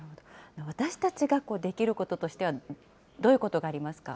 私たちができることとしてはどういうことがありますか？